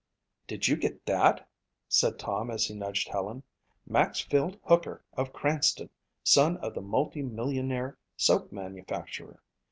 "Did you get that?" said Tom as he nudged Helen. "Maxfield Hooker of Cranston, son of the multi millionaire soap manufacturer.